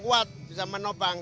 kuat bisa menopang